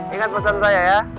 ingat pesan saya ya